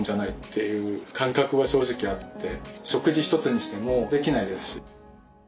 食事一つにしてもできないです。